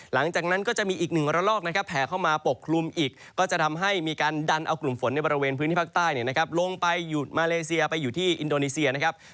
หลังจากนั้นก็จะมีอีก๑วันลอกนะครับ